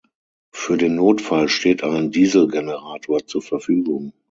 Für den Notfall steht ein Dieselgenerator zur Verfügung.